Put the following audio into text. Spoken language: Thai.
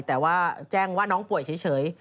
แต่ว่าแจ้งว่าน้องป่วยเฉย